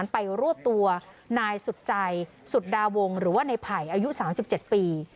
ไปรวบตัวนายสุดใจสุดดาวงหรือว่าในไผ่อายุ๓๗ปี